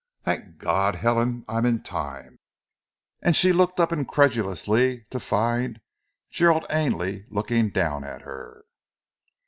"Thank God, Helen! I am in time." And she looked up incredulously to find Gerald Ainley looking down at her.